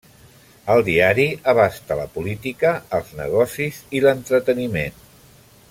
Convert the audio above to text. El diari abasta la política, els negocis i l'entreteniment.